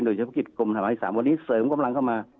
โดยเฉพาะกิจกรมธรรมที่สามวันนี้เสริมกำลังเข้ามา